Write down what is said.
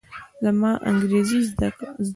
زما انګرېزي زده ده.